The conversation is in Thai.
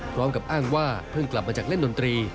พร้อมกับอ้างว่าเพิ่งกลับมาจากเล่นดนตรี